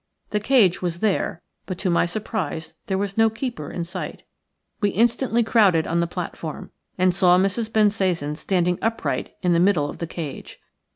The cage was there, but to my surprise there was no keeper in sight. We instantly crowded on the platform and saw Mrs. Bensasan standing upright in the middle of the cage.